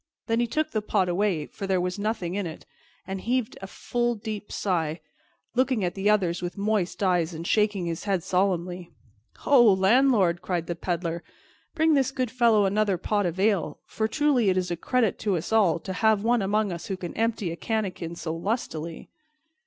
Then he took the pot away, for there was nothing in it, and heaved a full deep sigh, looking at the others with moist eyes and shaking his head solemnly. "Ho, landlord!" cried the Peddler, "bring this good fellow another pot of ale, for truly it is a credit to us all to have one among us who can empty a canakin so lustily."